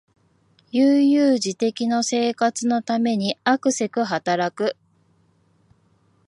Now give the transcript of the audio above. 悠々自適の生活のためにあくせく働く